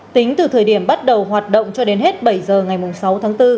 tính từ thời điểm bắt đầu hoạt động cho đến hết bảy giờ ngày sáu tháng bốn